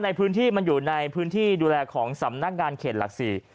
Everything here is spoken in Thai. ในพื้นที่มันอยู่ในพื้นที่ดูแลของสำนักงานเขตหลักสี่